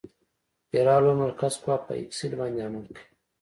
فرار المرکز قوه په اکسل باندې عمل کوي